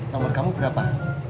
nomor kamu berapa